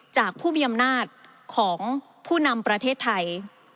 จากผู้มีอำนาจของผู้นำประเทศไทย